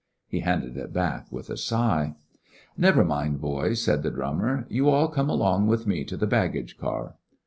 He handed it back with a sigh. "Never mind, boys," said the drummer. "You all come along with me to the baggage car."